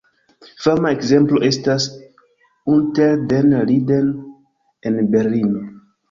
Fama ekzemplo estas "Unter den Linden" en Berlino.